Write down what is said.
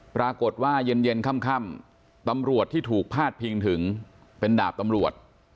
ปรากฏว่าเย็นค่ำตำรวจที่ถูกพาดพิงถึงเป็นดาบตำรวจ